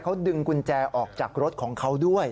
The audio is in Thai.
เขาดึงกุญแจออกจากรถของเขาด้วย